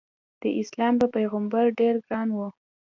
داسلام په پیغمبر ډېر ګران و.